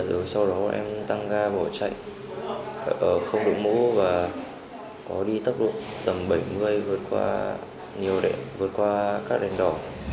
rồi sau đó em tăng ga bỏ chạy ở không đội mũ và có đi tốc độ tầm bảy mươi vượt qua các đèn đỏ